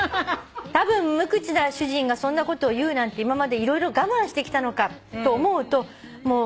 「たぶん無口な主人がそんなことを言うなんて今まで色々我慢してきたのかと思うと」